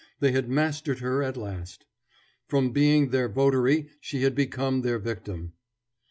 They had mastered her at last. From being their votary she had become their victim.